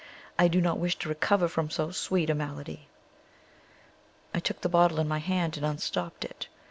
I do not wish to recover from so sweet a malady." I took the bottle in my hand and unstopped it.